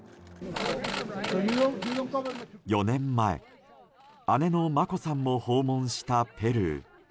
４年前、姉の眞子さんも訪問したペルー。